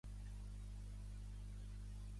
Demà passat na Dúnia i en Martí aniré al teatre.